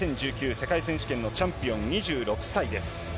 世界選手権のチャンピオン、２６歳です。